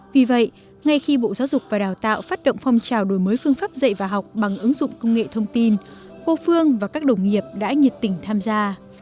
vì vậy ngay khi bộ giáo dục và đào tạo phát động phong trào đổi mới phương pháp dạy và học bằng ứng dụng công nghệ thông tin cô phương và các đồng nghiệp đã nhiệt tình tham gia